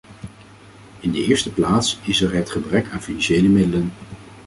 In de eerste plaats is er het gebrek aan financiële middelen.